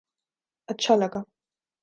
اچھا لگا